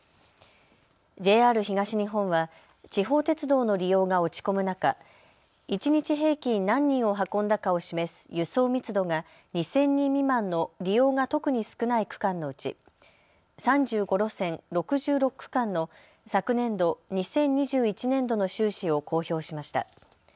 ＪＲ東日本は地方鉄道の利用が落ち込む中、一日平均何人を運んだかを示す輸送密度が２０００人未満の利用が特に少ない区間のうち３５路線、６６区間の昨年度２０２１年度の収支を公表しました。